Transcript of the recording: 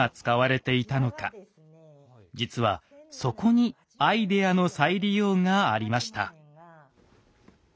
実はそこに「アイデアの再利用」がありました。